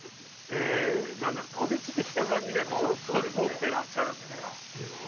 なんだろう飛び地的な感じで持ってらっしゃるんですか。